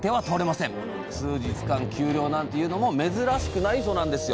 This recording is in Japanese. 数日間休漁なんていうのも珍しくないそうなんですよ